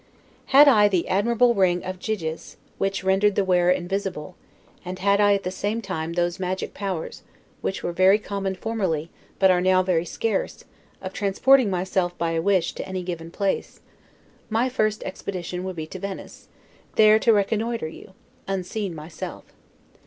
Had I the admirable ring of Gyges, which rendered the wearer invisible; and had I, at the same time, those magic powers, which were very common formerly, but are now very scarce, of transporting myself, by a wish, to any given place, my first expedition would be to Venice, there to RECONNOITRE you, unseen myself.